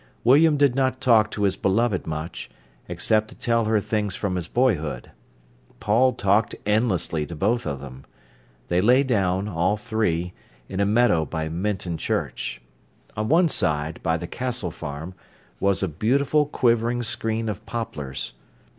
William did not talk to his beloved much, except to tell her things from his boyhood. Paul talked endlessly to both of them. They lay down, all three, in a meadow by Minton Church. On one side, by the Castle Farm, was a beautiful quivering screen of poplars.